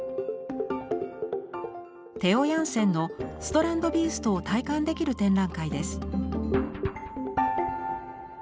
テオ・ヤンセンのストランドビーストを体感できる展覧会です。